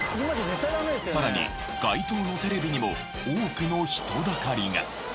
さらに街頭のテレビにも多くの人だかりが。